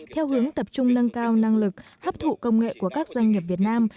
theo hướng tập trung nâng cao năng lực hấp thụ công nghệ của các doanh nghiệp việt nam